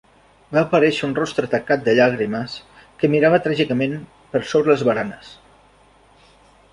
Va aparèixer un rostre tacat de llàgrimes que mirava tràgicament per sobre les baranes.